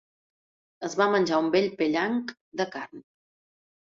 Es va menjar un bell pellanc de carn.